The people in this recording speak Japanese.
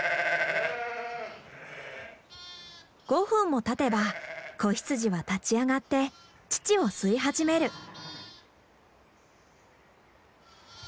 ５分もたてば子羊は立ち上がって乳を吸い始める。